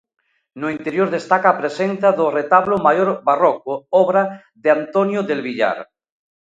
No interior destaca a presenza do retablo maior barroco, obra de Antonio del Villar.